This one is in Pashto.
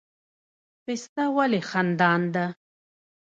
پسته ولې خندان ده؟